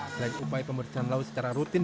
selain upaya pembersihan laut secara rutin